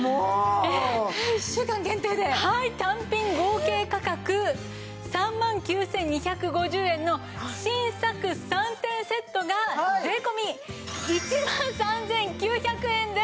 単品合計価格３万９２５０円の新作３点セットが税込１万３９００円です！